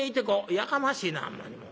「やかましいなほんまにもう。